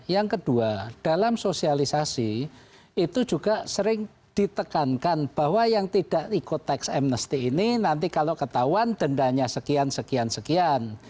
yang kedua dalam sosialisasi itu juga sering ditekankan bahwa yang tidak ikut tax amnesty ini nanti kalau ketahuan dendanya sekian sekian sekian